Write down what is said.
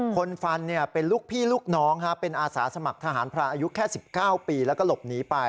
คนฟันเป็นลูกพี่ลูกน้องเป็นอาสาสมัครทหารพรานอายุแค่๑๙ปีแล้วก็หลบหนีไป